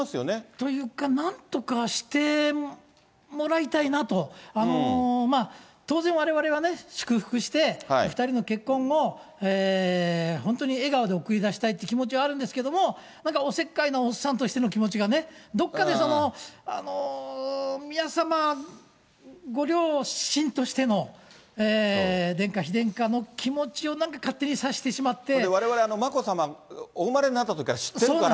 というか、なんとかしてもらいたいなと、当然われわれはね、祝福して、お２人の結婚を、本当に笑顔で送り出したいって気持ちはあるんですけども、なんかおせっかいなおっさんとしての気持ちがね、どっかでその、宮さまご両親としての殿下、妃殿下の気持ちをなんか勝手に察してわれわれ、眞子さまお生まれになったころから知ってるから。